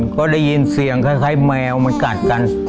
ก็ได้ยินเสียงคล้ายแมวมันกัดกัน